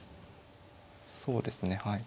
そうですねはい。